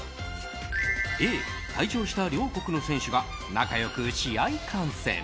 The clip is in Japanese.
Ａ、退場した両国の選手が仲良く試合観戦。